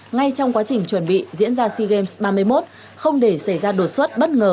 ngay trong quá trình chuẩn bị diễn ra sea games ba mươi một không để xảy ra đột xuất bất ngờ